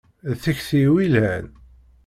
D tikti-iw i yelhan.